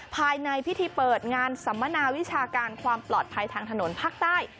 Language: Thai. ภายในพิธีเปิดงานสัมมนาวิชาการความปลอดภัยทางถนนภาคใต้